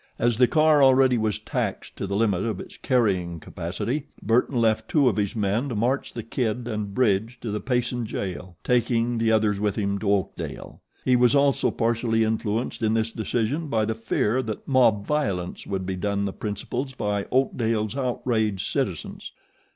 As the car already was taxed to the limit of its carrying capacity Burton left two of his men to march The Kid and Bridge to the Payson jail, taking the others with him to Oakdale. He was also partially influenced in this decision by the fear that mob violence would be done the principals by Oakdale's outraged citizens.